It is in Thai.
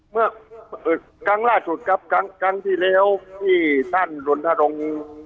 เมื่อครั้งล่าสุดครับครั้งที่แล้วที่ท่านรณรงค์